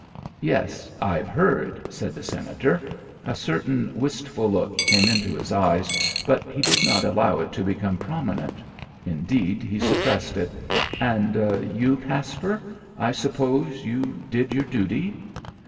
"Yes, I've heard," said the Senator. A certain wistful look came into his eyes, but he did not allow it to become prominent. Indeed, he suppressed it. "And you, Caspar? I suppose you did your duty?"